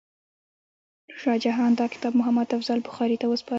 شاه جهان دا کتاب محمد افضل بخاري ته وسپاره.